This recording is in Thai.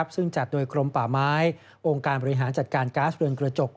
ซึ่งจัดโดยกรมป่าไม้องค์การบริหารจัดการก๊าซเรือนกระจก